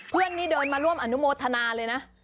เพื่อนนี่เดินมาร่วมอนุโมทนาเลยนะ